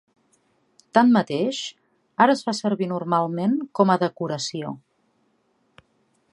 Tanmateix, ara es fa servir normalment com a decoració.